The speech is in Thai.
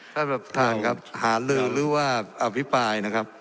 ท่านประธานครับหาลือหรือว่าอภิปรายนะครับ